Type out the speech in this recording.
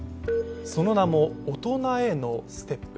その名も大人へのステップ。